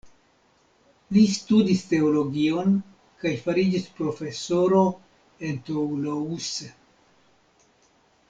Li studis teologion kaj fariĝis profesoro en Toulouse.